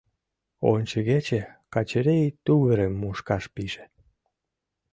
Ончыгече Качырий тувырым мушкаш пиже.